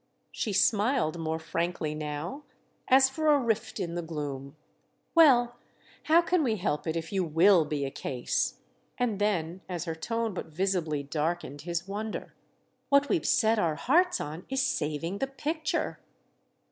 She smiled more frankly now, as for a rift in the gloom. "Well, how can we help it if you will be a case?" And then as her tone but visibly darkened his wonder: "What we've set our hearts on is saving the picture."